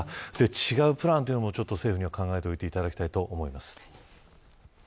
違うプランというのも、政府には考えていただきたいと思います。